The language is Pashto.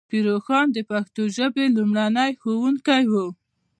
پیر روښان د پښتو ژبې لومړنی ښوونکی و.